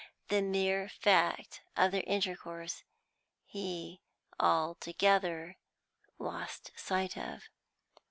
The mere fact of their intercourse he altogether lost sight of.